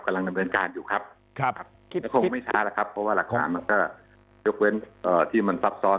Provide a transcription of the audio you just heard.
กำลังดำเนินการอยู่ครับก็คงไม่ช้าแล้วครับเพราะว่าหลักฐานมันก็ยกเว้นที่มันซับซ้อน